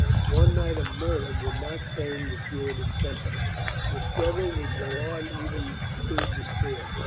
One night of murder would not tame the Puritan temper. The struggle would go on even through despair.